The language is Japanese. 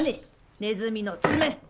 ネズミの爪！